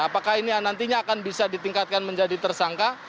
apakah ini nantinya akan bisa ditingkatkan menjadi tersangka